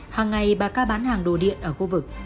hàng ngày bà ca bán hàng đồ điện ở khu vực